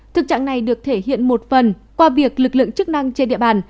thực trạng này được thể hiện một phần qua việc lực lượng chức năng trên địa bàn